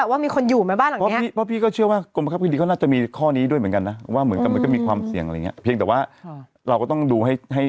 ว่ามีคนอยู่ไหมบ้านหลังนี้